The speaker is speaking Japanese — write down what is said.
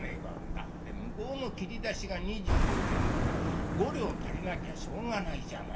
「だって向こうの切り出しが２０両なんだから５両足りなきゃしょうがないじゃないか」。